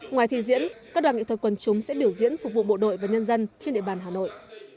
ngoài thi diễn các đoàn nghệ thuật quần chúng sẽ biểu diễn phục vụ bộ đội và nhân dân trên địa bàn hà nội